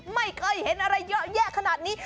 ไม่เคยเห็นอะไรเยอะแยะขนาดนี้